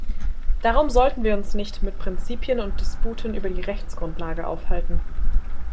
Darum sollten wir uns nicht mit Prinzipien und Disputen über die Rechtsgrundlage aufhalten!